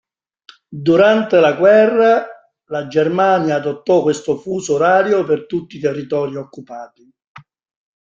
Durante la guerra, la Germania adottò questo fuso orario per tutti i territori occupati.